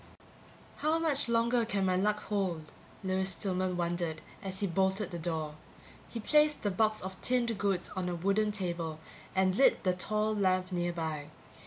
How much longer can my luck hold? Lewis Stillman wondered, as he bolted the door. He placed the box of tinned goods on a wooden table and lit the tall lamp nearby.